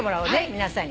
皆さんに。